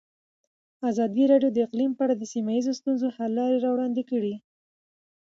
ازادي راډیو د اقلیم په اړه د سیمه ییزو ستونزو حل لارې راوړاندې کړې.